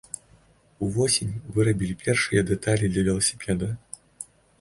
Увосень вырабілі першыя дэталі для веласіпеда.